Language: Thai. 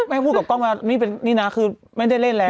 ให้พูดกับกล้องมานี่นะคือไม่ได้เล่นแล้ว